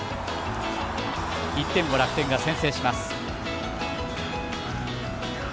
１点を楽天が先制します。